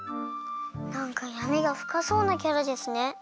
なんかやみがふかそうなキャラですね。